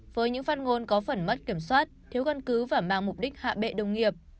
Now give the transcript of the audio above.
với những phát ngôn có phần mất kiểm soát thiếu căn cứ và mang mục đích hạ bệ đồng nghiệp